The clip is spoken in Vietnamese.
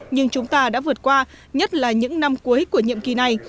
nhưng chúng ta đã vượt qua nhất là những năm cuối của nhiệm kỳ này